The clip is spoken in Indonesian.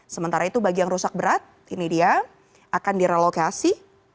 sementara itu bagi yang rusak berat ini dia akan direlokasi